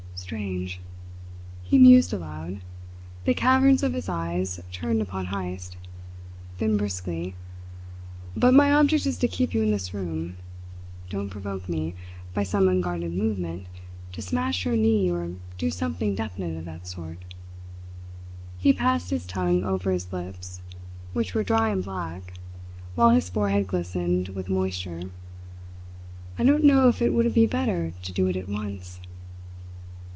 "Strange!" he mused aloud, the caverns of his eyes turned upon Heyst. Then briskly: "But my object is to keep you in this room. Don't provoke me, by some unguarded movement, to smash your knee or do something definite of that sort." He passed his tongue over his lips, which were dry and black, while his forehead glistened with moisture. "I don't know if it wouldn't be better to do it at once!"